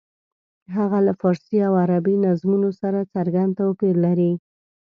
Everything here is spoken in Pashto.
هغه له فارسي او عربي نظمونو سره څرګند توپیر لري.